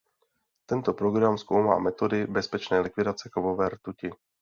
Tento program zkoumá metody bezpečné likvidace kovové rtuti.